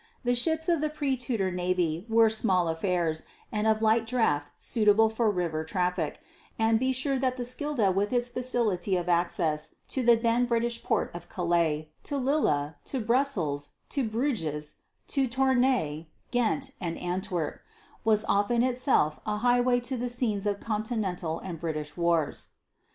The ships of the pre Tudor navy were small affairs and of light draught suitable for river traffic, and be sure that the Schelde with its facility of access to the then British port of Calais, to Lille, to Brussels, to Bruges, to Tournai, Ghent, and Antwerp, was often itself a highway to the scenes of Continental and British wars.